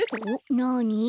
なに？